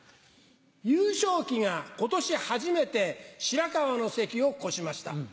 優勝旗がことし初めて白河の関を越しました。